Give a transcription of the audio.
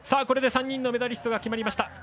これで３人のメダリストが決まりました。